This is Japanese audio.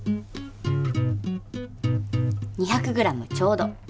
２００グラムちょうど。